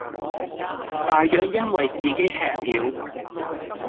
大約因爲自己喫了，